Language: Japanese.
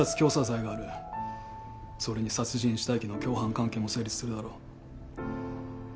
それに殺人死体遺棄の共犯関係も成立するだろう。